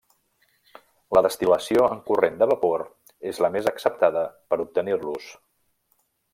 La destil·lació en corrent de vapor és la més acceptada per obtenir-los.